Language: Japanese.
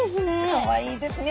かわいいですね。